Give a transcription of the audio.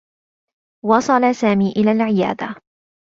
وصل سامي إلى العيادة.